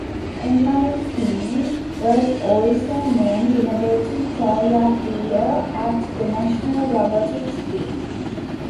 MiP was also named "Innovative Toy of the Year" at the National Robotics Week.